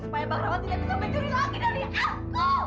supaya bang rawat tidak bisa mencuri lagi dari aku